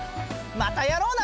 またやろうな！